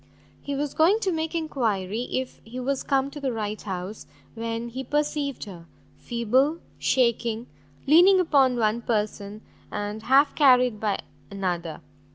He was going to make enquiry if he was come to the right house, when he perceived her, feeble, shaking, leaning upon one person, and half carried by another!